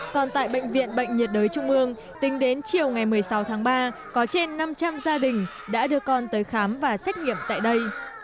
còn tại bệnh viện bệnh nhiệt đới trung ương tính đến chiều ngày một mươi sáu tháng ba có trên năm trăm linh gia đình đã đưa con tới khám và xét nghiệm tại đây